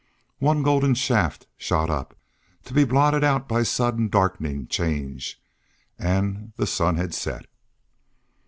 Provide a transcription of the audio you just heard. One golden shaft shot up, to be blotted out by sudden darkening change, and the sun had set.